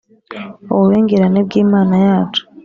ububengerane bw’Imana yacu.